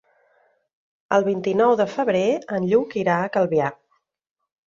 El vint-i-nou de febrer en Lluc irà a Calvià.